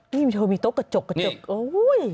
นี่เธอมีโต๊ะกระจกกระจกโอ้ย